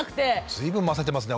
随分ませてますね。